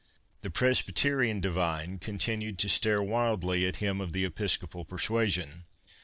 The Presbyterian divine continued to stare wildly at him of the Episcopal persuasion.